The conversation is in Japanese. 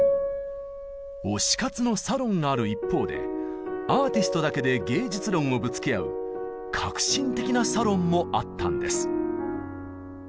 「推し活」のサロンがある一方でアーティストだけで芸術論をぶつけ合う革新的なサロンもあったんです。